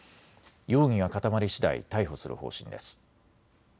容疑が固まりしだい逮捕する方針です。